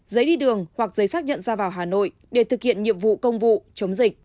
giấy đi đường hoặc giấy xác nhận ra vào hà nội để thực hiện nhiệm vụ công vụ chống dịch